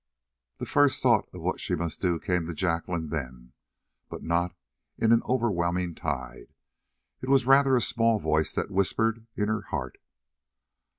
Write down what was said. The first thought of what she must do came to Jacqueline then, but not in an overwhelming tide it was rather a small voice that whispered in her heart.